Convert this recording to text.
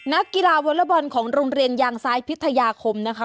นักกีฬาวอเลอร์บอลของโรงเรียนยางซ้ายพิทยาคมนะคะ